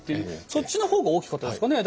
そっちの方が大きかったですかね。